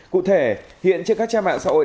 cụ thể hiện trên các cha mạng xã hội